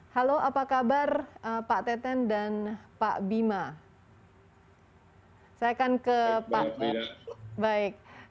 halo apa kabar pak teten dan pak bima